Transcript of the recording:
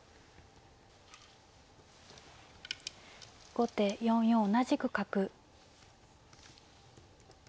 後手４四同じく角。